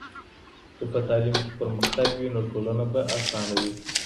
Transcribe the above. که په تعلیم کې پرمختګ وي، نو ټولنه به اسانه وي.